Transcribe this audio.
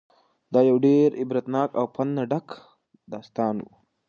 دا یو ډېر عبرتناک او د پند نه ډک داستان و.